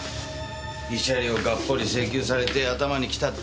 慰謝料をがっぽり請求されて頭にきたって。